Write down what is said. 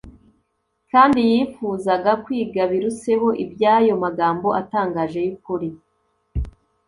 kandi yifuzaga kwiga biruseho iby’ayo magambo atangaje y’ukuri.